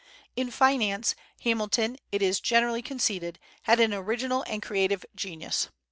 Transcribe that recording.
In finance, Hamilton, it is generally conceded, had an original and creative genius.